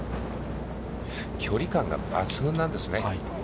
距離感が抜群なんですね。